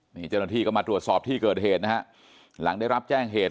นี่เจ้าหน้าที่ก็มาตรวจสอบที่เกิดเหตุนะฮะหลังได้รับแจ้งเหตุ